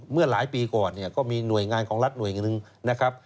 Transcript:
เมื่อหลายปีก่อนเนี่ยก็มีหน่วยงานของรัฐหน่วยหนึ่งนะครับ